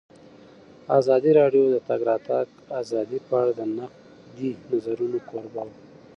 ازادي راډیو د د تګ راتګ ازادي په اړه د نقدي نظرونو کوربه وه.